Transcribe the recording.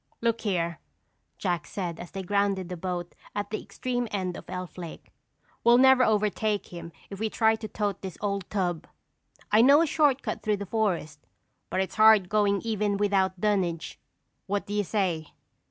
"Look here," Jack said as they grounded the boat at the extreme end of Elf Lake. "We'll never overtake him if we try to tote this old tub. I know a shortcut through the forest but it's hard going even without dunnage. What do you say?"